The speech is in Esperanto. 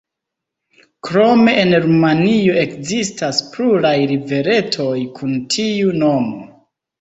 Krome en Rumanio ekzistas pluraj riveretoj kun tiu nomo.